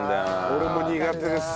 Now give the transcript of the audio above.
俺も苦手です。